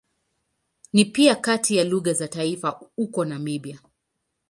Ni pia kati ya lugha za taifa huko Namibia.